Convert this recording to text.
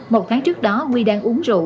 một tháng trước đó quy đang uống rượu